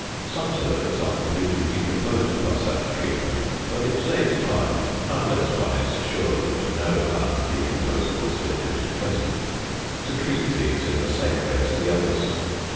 Some silicates are completely decomposed by such treatment; but it saves time (unless one is sure that no undecomposable silicate is present) to treat these in the same way as the others.